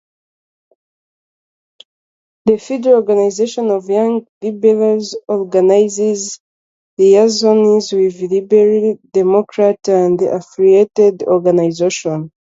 The federal organisation of Young Liberals organises liaisons with Liberal Democrats and affiliated organisations.